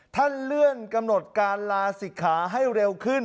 ท่านเลื่อนกำหนดการลาศิกขาให้เร็วขึ้น